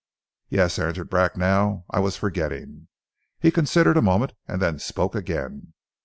"Yes," answered Bracknell. "I was forgetting." He considered a moment and then spoke again.